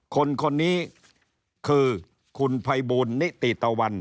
คนนี้คือคุณภัยบูลนิติตะวัน